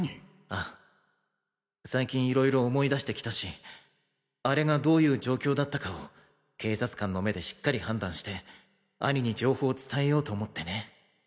ああ最近色々思い出してきたしあれがどういう状況だったかを警察官の目でしっかり判断して兄に情報を伝えようと思ってね。